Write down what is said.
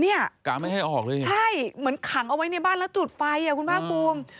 เนี่ยใช่เหมือนขังเอาไว้ในบ้านแล้วจุดไฟคุณบ้านภูมิ